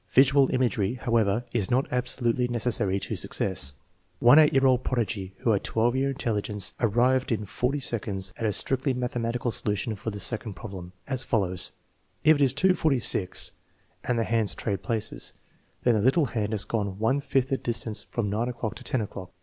Visual imagery, however, is not absolutely necessary to success. One 8 year old prodigy, who had 12 year in 322 THE MEASUREMENT OF INTELLIGENCE telligence, arrived in forty seconds at a strictly mathematical solution for the second problem, as follows: " If it is 2.46, and the hands trade places, then the little hand has gone one fifth of the distance from 9 o'clock to 10 o'clock.